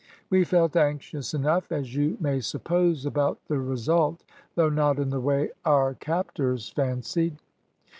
We felt anxious enough, as you may suppose, about the result, though not in the way our captors fancied.